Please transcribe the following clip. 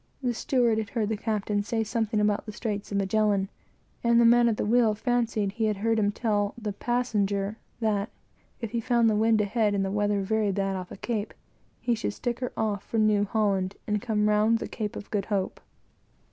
The steward had heard the captain say something about the straits of Magellan, and the man at the wheel fancied he had heard him tell the "passenger" that, if he found the wind ahead and the weather very bad off the Cape, he should stick her off for New Holland, and come home round the Cape of Good Hope.